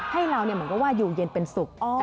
ให้เรามันก็ว่าอยู่เย็นเป็นสุข